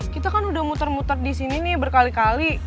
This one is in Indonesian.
kita kan udah muter muter di sini nih berkali kali